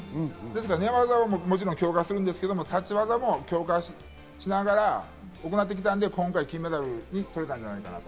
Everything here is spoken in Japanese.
寝技はもちろん強化するんですけど、立ち技も強化しながら行ってきたので今回、金メダルを取れたんじゃないかなと。